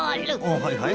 あはいはい。